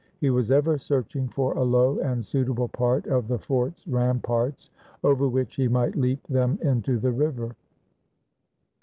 He was ever searching for a low and suitable part of the fort's ramparts over which he might leap them into the river.